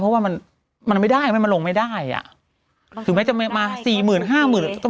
เพราะว่ามันมันไม่ได้มันลงไม่ได้อ่ะถึงแม้จะมาสี่หมื่นห้าหมื่น